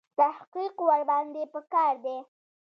تحقیق ورباندې په کار دی.